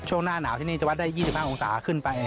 ช่วงหน้าหนาวที่นี่จะวัดได้๒๕องศาขึ้นไป